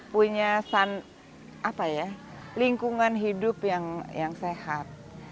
punya lingkungan hidup yang sehat